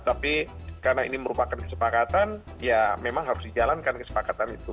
tapi karena ini merupakan kesepakatan ya memang harus dijalankan kesepakatan itu